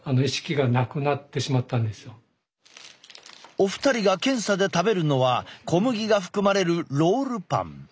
お二人が検査で食べるのは小麦が含まれるロールパン。